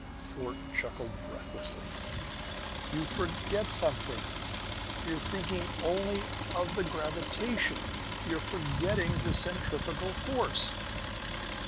Fort chuckled breathlessly. "Your forget something. You're thinking only of the gravitation; you're forgetting the centrifugal force."